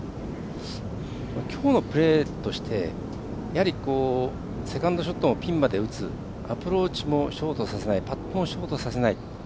きょうのプレーとしてセカンドショットのピンまで打つアプローチもショートさせないパットもショートさせない。